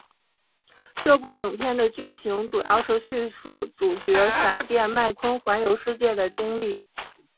这部影片的剧情主要是叙述主角闪电麦坤环游世界的经历。